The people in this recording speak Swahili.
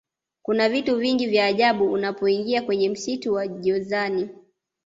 kuna vitu vingi vya ajabu unapoingia kwenye msitu wa jozani